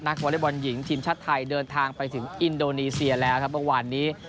นักวอร์เรย์บอลหญิงทีมชาติไทยเดินไปถึงอินโดนีเซียและครับวันนี้